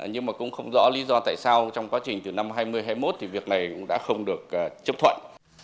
nhưng mà cũng không rõ lý do tại sao trong quá trình từ năm hai nghìn hai mươi một thì việc này cũng đã không được chấp thuận